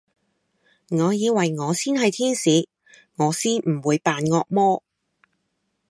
我以為我先係天使，我先唔會扮惡魔